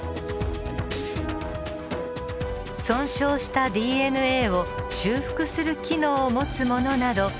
損傷したＤＮＡを修復する機能を持つものなど